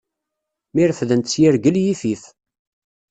Mi refdent s yirgel yifif.